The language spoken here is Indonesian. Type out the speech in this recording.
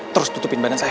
terus tutupin badan saya